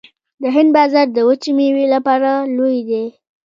د هند بازار د وچې میوې لپاره لوی دی